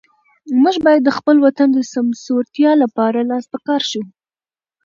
موږ باید د خپل وطن د سمسورتیا لپاره لاس په کار شو.